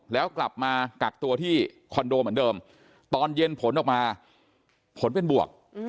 แล้วกลับมากักตัวที่คอนโดเหมือนเดิมตอนเย็นผลออกมาผลเป็นบวก